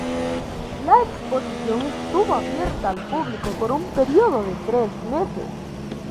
La exposición estuvo abierta al público por un período de tres meses.